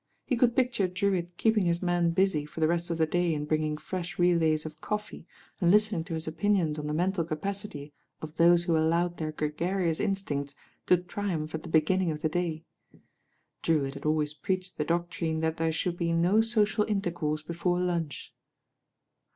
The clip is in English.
He could picture Drewitt keeping his man busy for the rest of the day in bringing fresh relays of coffee, and listening to his opinions on the mental capacity of those who allowed their gregarious instincts to triumph at the beginning of the day. Drewitt had always preached the doctrine that there should be no social intercourse before lunch.